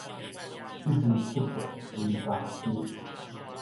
一日不見如三秋